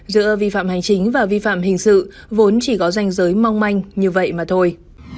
giữa vi phạm hành chính và vi phạm hình sự vốn chỉ có danh giới mong manh như vậy mà thôi